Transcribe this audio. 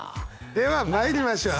ではまいりましょう。